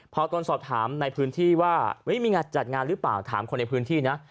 พอตนสอบถามในพื้นที่ว่ามีงานจัดงานหรือเปล่าถามคนในพื้นที่นะ